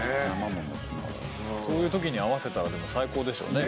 そういう時に合わせたら最高でしょうね